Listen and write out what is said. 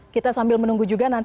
kita sambil menunggu juga nanti